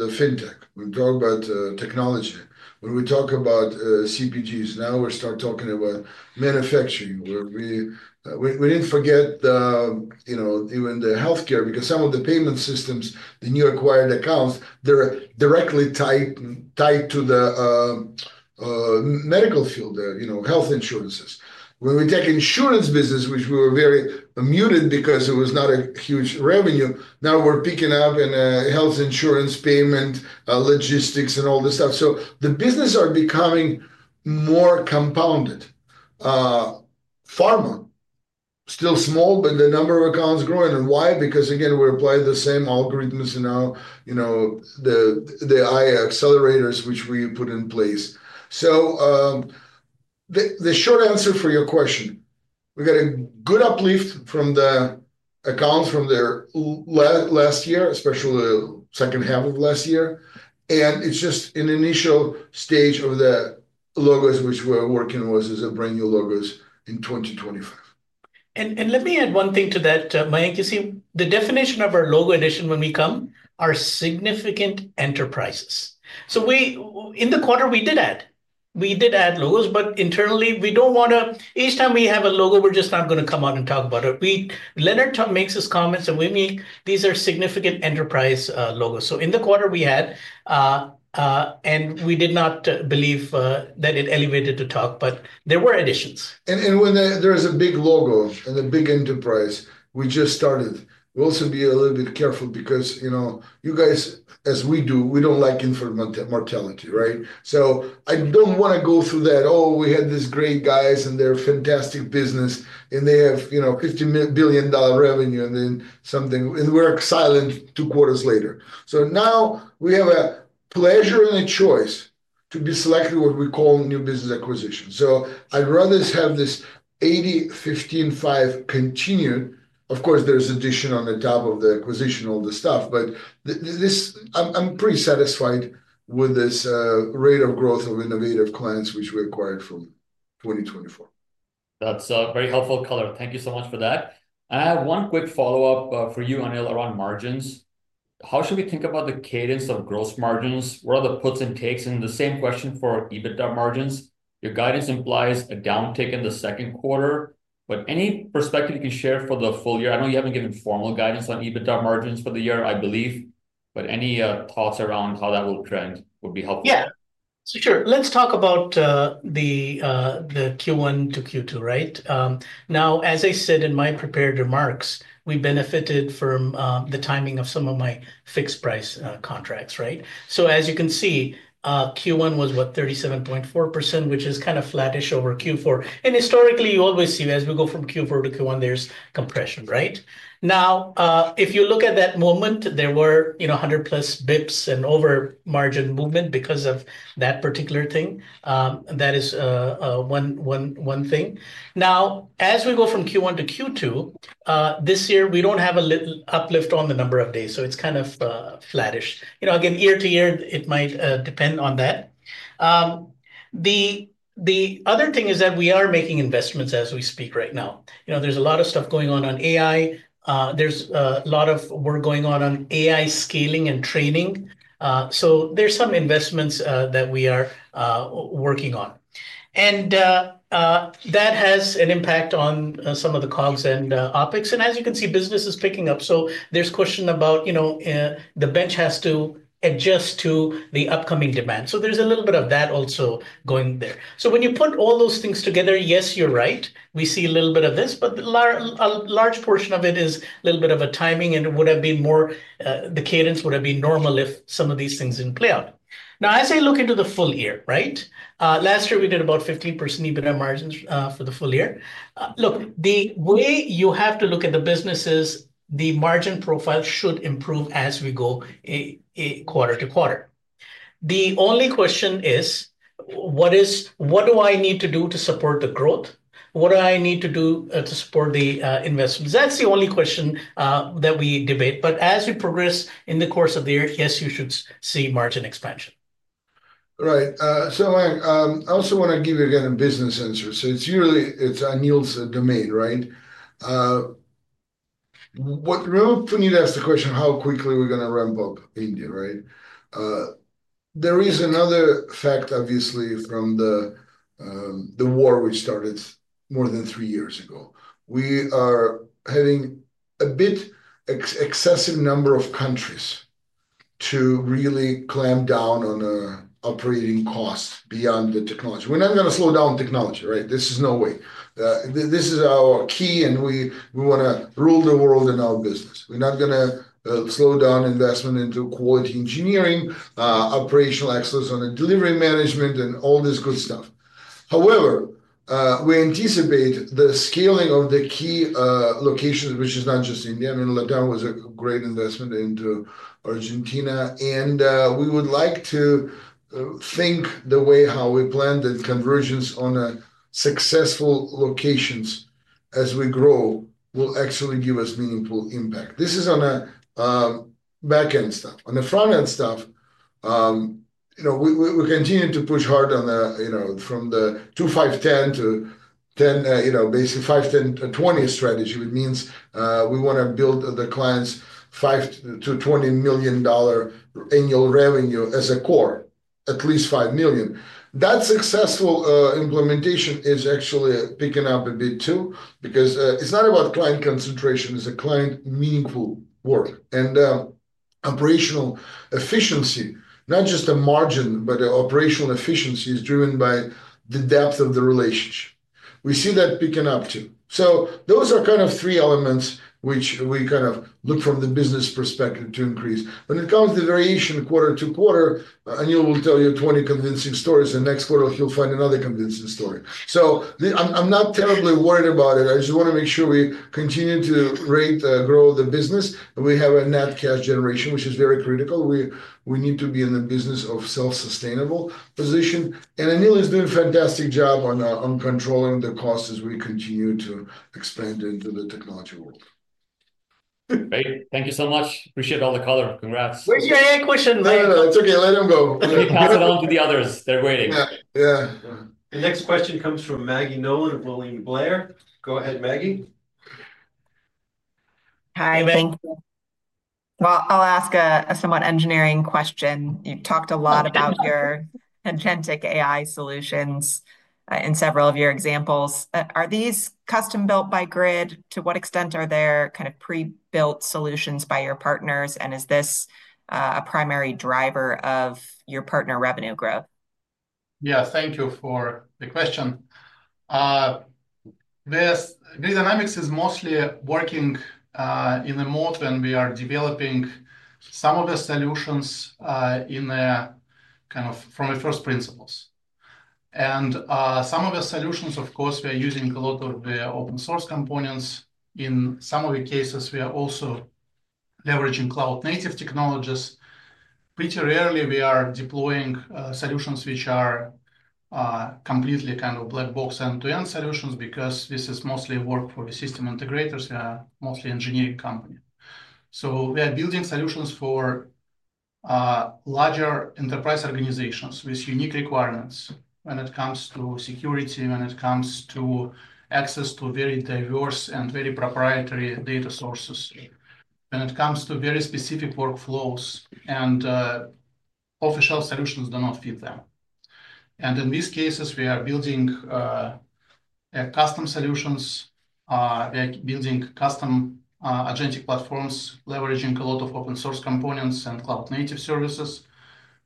the fintech, we talk about technology. When we talk about CPGs, now we start talking about manufacturing. We didn't forget even the healthcare because some of the payment systems, the new acquired accounts, they're directly tied to the medical field, health insurances. When we take insurance business, which we were very muted because it was not a huge revenue, now we're picking up in health insurance payment, logistics, and all this stuff. The business are becoming more compounded. Pharma, still small, but the number of accounts growing. Why? Because, again, we apply the same algorithms and now the AI accelerators, which we put in place. The short answer for your question, we got a good uplift from the accounts from last year, especially the second half of last year. It's just an initial stage of the logos, which we're working on as a brand new logos in 2025. Let me add one thing to that, Mayank. You see, the definition of our logo addition when we come are significant enterprises. In the quarter, we did add. We did add logos, but internally, we do not want to each time we have a logo, we are just not going to come out and talk about it. Leonard makes his comments, and we make these are significant enterprise logos. In the quarter, we had, and we did not believe that it elevated to talk, but there were additions. When there is a big logo and a big enterprise, we just started. We also be a little bit careful because you guys, as we do, we do not like [informal] mortality, right? I do not want to go through that, "Oh, we had these great guys, and they are a fantastic business, and they have $50 billion revenue," and then something, and we are silent two quarters later. Now we have a pleasure and a choice to be selecting what we call new business acquisitions. I would rather have this 80-15-5 continued. Of course, there is addition on the top of the acquisition, all the stuff, but I am pretty satisfied with this rate of growth of innovative clients, which we acquired from 2024. That's very helpful, color. Thank you so much for that. I have one quick follow-up for you, Anil, around margins. How should we think about the cadence of gross margins? What are the puts and takes? The same question for EBITDA margins. Your guidance implies a downtick in the Q2, but any perspective you can share for the full year? I know you haven't given formal guidance on EBITDA margins for the year, I believe, but any thoughts around how that will trend would be helpful. Yeah. Sure. Let's talk about the Q1 to Q2, right? Now, as I said in my prepared remarks, we benefited from the timing of some of my fixed-price contracts, right? As you can see, Q1 was what, 37.4%, which is kind of flattish over Q4. Historically, you always see as we go from Q4 to Q1, there's compression, right? Now, if you look at that moment, there were 100 plus basis points and over-margin movement because of that particular thing. That is one thing. Now, as we go from Q1 to Q2, this year, we do not have a little uplift on the number of days, so it is kind of flattish. Again, year to year, it might depend on that. The other thing is that we are making investments as we speak right now. There is a lot of stuff going on on AI. There is a lot of work going on on AI scaling and training. There are some investments that we are working on. That has an impact on some of the COGS and OpEx. As you can see, business is picking up. There is a question about the bench has to adjust to the upcoming demand. There is a little bit of that also going there. When you put all those things together, yes, you're right. We see a little bit of this, but a large portion of it is a little bit of a timing, and it would have been more the cadence would have been normal if some of these things didn't play out. Now, as I look into the full year, right? Last year, we did about 15% EBITDA margins for the full year. Look, the way you have to look at the business is the margin profile should improve as we go quarter to quarter. The only question is, what do I need to do to support the growth? What do I need to do to support the investments? That's the only question that we debate. As we progress in the course of the year, yes, you should see margin expansion. Right. Mayank, I also want to give you again a business answer. It is usually Anil's domain, right? We need to ask the question of how quickly we're going to ramp up India, right? There is another fact, obviously, from the war we started more than three years ago. We are having a bit excessive number of countries to really clamp down on operating costs beyond the technology. We're not going to slow down technology, right? This is no way. This is our key, and we want to rule the world in our business. We're not going to slow down investment into quality engineering, operational excellence on delivery management, and all this good stuff. However, we anticipate the scaling of the key locations, which is not just India. I mean, Latam was a great investment into Argentina. We would like to think the way how we planned that convergence on successful locations as we grow will actually give us meaningful impact. This is on the back-end stuff. On the front-end stuff, we continue to push hard on the from the 2, 5, 10 to basically 5, 10, 20 strategy, which means we want to build the clients' $5 million to $20 million annual revenue as a core, at least $5 million. That successful implementation is actually picking up a bit too because it's not about client concentration. It's a client-meaningful work. And operational efficiency, not just a margin, but operational efficiency is driven by the depth of the relationship. We see that picking up too. Those are kind of three elements which we kind of look from the business perspective to increase. When it comes to variation quarter to quarter, Anil will tell you 20 convincing stories. The next quarter, he'll find another convincing story. I am not terribly worried about it. I just want to make sure we continue to grow the business. We have a net cash generation, which is very critical. We need to be in a business of self-sustainable position. Anil is doing a fantastic job on controlling the costs as we continue to expand into the technology world. Great. Thank you so much. Appreciate all the color. Congrats. Wait, you had a question, Mayank. No, no. It's okay. Let him go. Let me pass it on to the others. They're waiting. Yeah. Yeah. The next question comes from Maggie Nolan of William Blair. Go ahead, Maggie. Hi. Thank you. I'll ask a somewhat engineering question. You talked a lot about your agentic AI solutions in several of your examples. Are these custom-built by Grid Dynamics? To what extent are there kind of pre-built solutions by your partners? Is this a primary driver of your partner revenue growth? Yeah. Thank you for the question. This dynamic is mostly working in a mode when we are developing some of the solutions in a kind of from the first principles. Some of the solutions, of course, we are using a lot of the open-source components. In some of the cases, we are also leveraging cloud-native technologies. Pretty rarely, we are deploying solutions which are completely kind of black box end-to-end solutions because this is mostly work for the system integrators. We are mostly an engineering company. We are building solutions for larger enterprise organizations with unique requirements when it comes to security, when it comes to access to very diverse and very proprietary data sources, when it comes to very specific workflows, and official solutions do not fit them. In these cases, we are building custom solutions. We are building custom agentic platforms, leveraging a lot of open-source components and cloud-native services,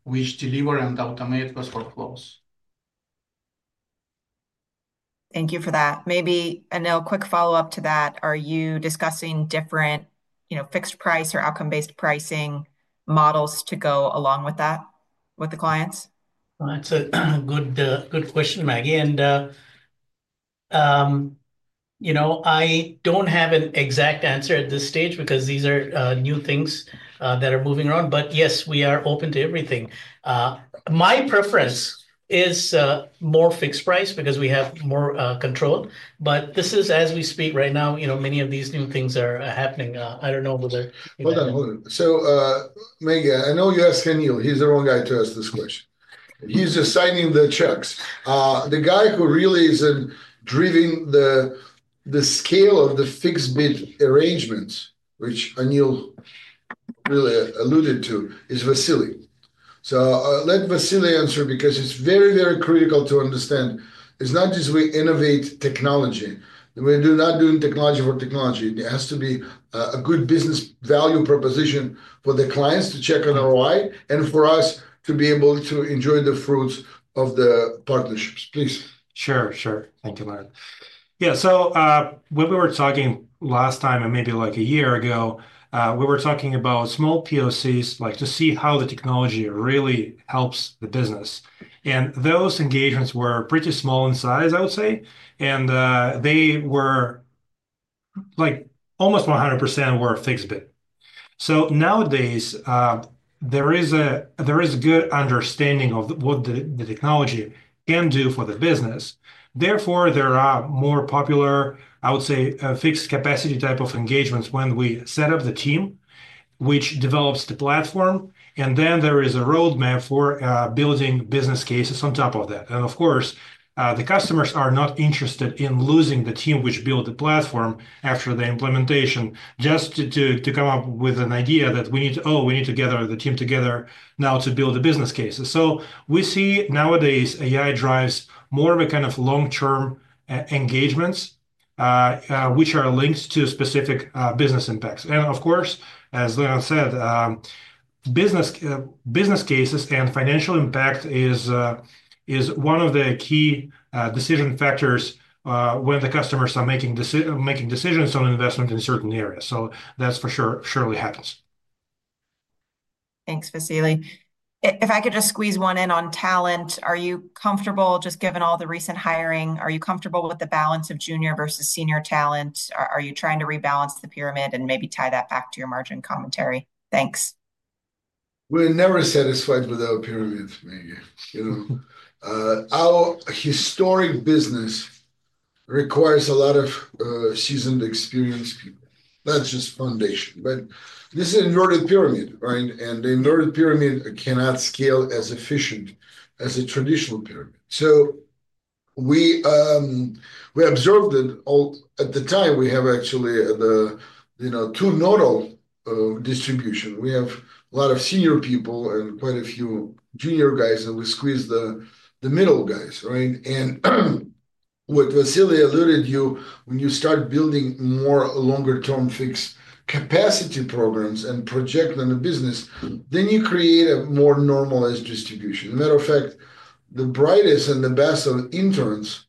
which deliver and automate those workflows. Thank you for that. Maybe, Anil, quick follow-up to that. Are you discussing different fixed-price or outcome-based pricing models to go along with that with the clients? That's a good question, Maggie. I don't have an exact answer at this stage because these are new things that are moving around. Yes, we are open to everything. My preference is more fixed price because we have more control. This is as we speak right now. Many of these new things are happening. I don't know whether. Hold on. Hold on. Maggie, I know you asked Anil. He's the wrong guy to ask this question. He's assigning the checks. The guy who really is driving the scale of the fixed-bid arrangements, which Anil really alluded to, is Vasily. Let Vasily answer because it's very, very critical to understand. It's not just we innovate technology. We're not doing technology for technology. It has to be a good business value proposition for the clients to check on ROI and for us to be able to enjoy the fruits of the partnerships. Please. Sure. Thank you, Maggie. Yeah. When we were talking last time, and maybe like a year ago, we were talking about small POCs to see how the technology really helps the business. Those engagements were pretty small in size, I would say. Almost 100% were fixed-bid. Nowadays, there is a good understanding of what the technology can do for the business. Therefore, there are more popular, I would say, fixed-capacity type of engagements when we set up the team, which develops the platform. There is a roadmap for building business cases on top of that. Of course, the customers are not interested in losing the team which built the platform after the implementation just to come up with an idea that we need to, oh, we need to gather the team together now to build the business cases. We see nowadays AI drives more of a kind of long-term engagements which are linked to specific business impacts. Of course, as Leonard said, business cases and financial impact is one of the key decision factors when the customers are making decisions on investment in certain areas. That for sure surely happens. Thanks, Vasily. If I could just squeeze one in on talent. Are you comfortable just given all the recent hiring? Are you comfortable with the balance of junior versus senior talent? Are you trying to rebalance the pyramid and maybe tie that back to your margin commentary? Thanks. We're never satisfied with our pyramid, Maggie. Our historic business requires a lot of seasoned, experienced people, not just foundation. This is an inverted pyramid, right? The inverted pyramid cannot scale as efficiently as a traditional pyramid. We observed that at the time, we have actually the bimodal distribution. We have a lot of senior people and quite a few junior guys, and we squeeze the middle guys, right? What Vasily alluded to, when you start building more longer-term fixed-capacity programs and projecting on the business, you create a more normalized distribution. As a matter of fact, the brightest and the best of interns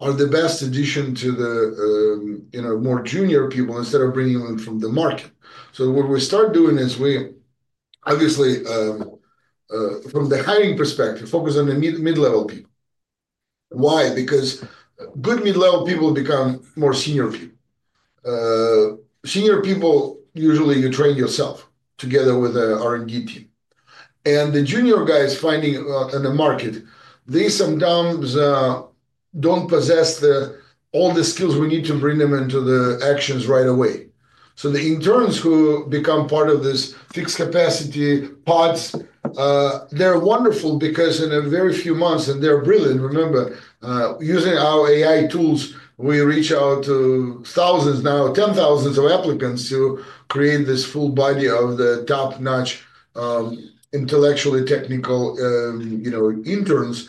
are the best addition to the more junior people instead of bringing them from the market. What we start doing is we, obviously, from the hiring perspective, focus on the mid-level people. Why? Because good mid-level people become more senior people. Senior people, usually, you train yourself together with an R&D team. The junior guys finding on the market, they sometimes do not possess all the skills we need to bring them into the actions right away. The interns who become part of this fixed-capacity pods, they are wonderful because in a very few months, and they are brilliant, remember, using our AI tools, we reach out to thousands now, 10,000s of applicants to create this full body of the top-notch intellectually technical interns.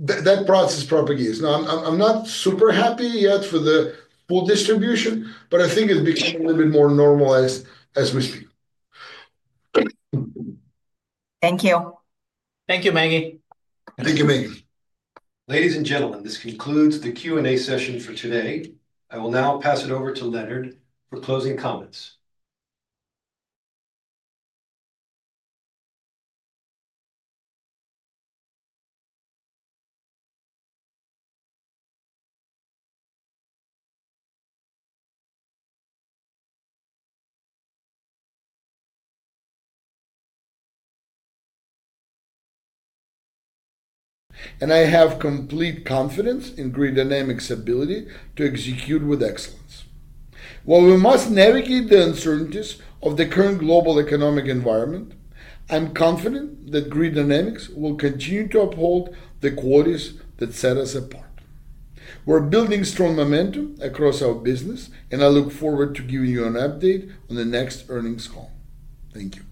That process propagates. I am not super happy yet for the full distribution, but I think it is becoming a little bit more normalized as we speak. Thank you. Thank you, Maggie. Thank you, Maggie Ladies and gentlemen, this concludes the Q&A session for today. I will now pass it over to Leonard for closing comments. I have complete confidence in Grid Dynamics' ability to execute with excellence. While we must navigate the uncertainties of the current global economic environment, I'm confident that Grid Dynamics will continue to uphold the qualities that set us apart. We're building strong momentum across our business, and I look forward to giving you an update on the next earnings call. Thank you.